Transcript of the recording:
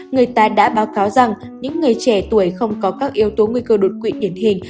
người ta đã báo cáo rằng những người trẻ tuổi không có các yếu tố nguy cơ đột quỵ điển hình